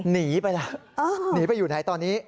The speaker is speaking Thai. หนีไปแล้วหนีไปอยู่ไหนตอนนี้